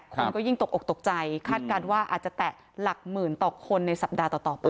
คนก็ยิ่งตกอกตกใจคาดการณ์ว่าอาจจะแตะหลักหมื่นต่อคนในสัปดาห์ต่อไป